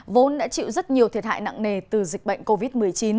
vốn đã chịu rất nhiều thiệt hại nặng nề từ dịch bệnh covid một mươi chín